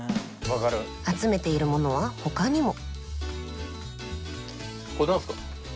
集めているものはほかにも。